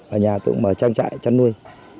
ở nhà tôi cũng mở trang trại chăn nuôi